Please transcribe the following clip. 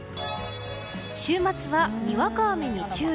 週末は、にわか雨に注意。